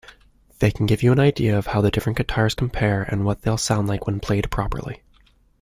They can give you an idea of how the different guitars compare and what they'll sound like when played properly.